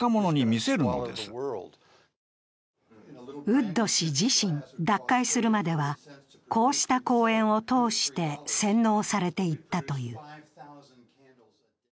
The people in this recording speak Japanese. ウッド氏自身、脱会するまではこうした講演を通して洗脳されていったという。